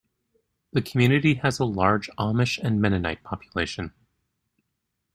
The community has a large Amish and Mennonite population.